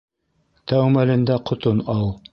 Тәү мәлендә ҡотон ал.